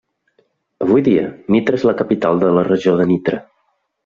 Avui dia, Nitra és la capital de la Regió de Nitra.